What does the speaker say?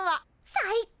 最高！